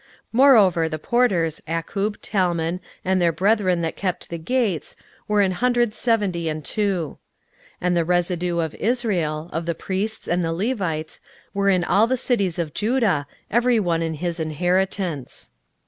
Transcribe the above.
16:011:019 Moreover the porters, Akkub, Talmon, and their brethren that kept the gates, were an hundred seventy and two. 16:011:020 And the residue of Israel, of the priests, and the Levites, were in all the cities of Judah, every one in his inheritance.